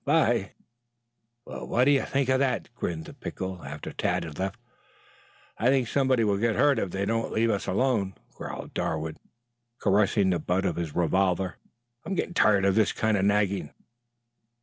'Bye." "Well, what d'ye think of that?" grinned the Pickle after Tad had left them. "I think somebody will get hurt if they don't leave us alone," growled Darwood, caressing the butt of his revolver. "I'm getting tired of this kind of nagging."